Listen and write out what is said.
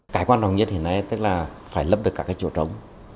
cái quan trọng nhất hiện nay tức là phải lập được cả cái chỗ trống